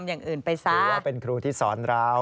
หรือเป็นครูที่สอนเรา